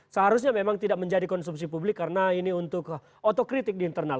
seharusnya memang tidak menjadi konsumsi publik karena ini untuk otokritik di internal